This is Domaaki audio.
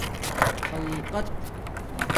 خَلقَت